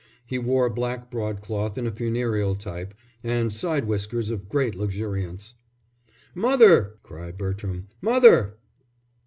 He wore black broadcloth of a funereal type, and side whiskers of great luxuriance. "Mother," cried Bertram, "mother!"